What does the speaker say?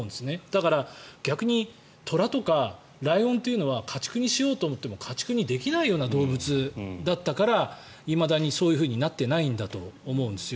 だから、逆に虎とかライオンというのは家畜にしようと思っても家畜にできないような動物だったからいまだにそういうふうになってないんだと思うんですよ。